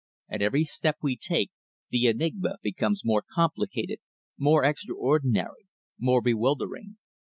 At every step we take the enigma becomes more complicated, more extraordinary, more bewildering."